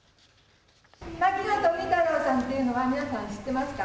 牧野富太郎さんっていうのは皆さん、知ってますか？